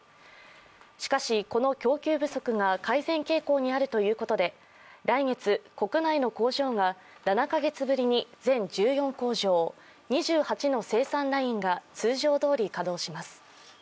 しかし、この供給不足が改善傾向にあるということで来月、国内の工場が７カ月ぶりに全１４工場、２８の生産ラインが通常どおり稼働します。